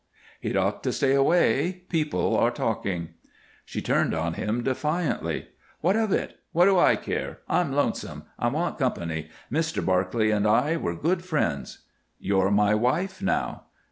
"He'd ought to stay away; people are talking." She turned on him defiantly. "What of it? What do I care? I'm lonesome. I want company. Mr. Barclay and I were good friends." "You're my wife now."